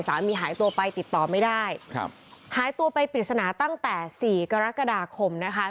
หายตัวไปติดต่อไม่ได้ครับหายตัวไปปริศนาตั้งแต่สี่กรกฎาคมนะคะ